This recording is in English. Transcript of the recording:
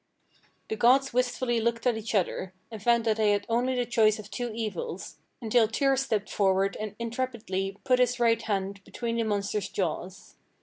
"The gods wistfully looked at each other, and found that they had only the choice of two evils, until Tyr stepped forward and intrepidly put his right hand between the monster's jaws.